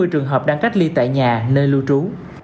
hai mươi một trăm bốn mươi trường hợp đang cách ly tại nhà nơi lưu trú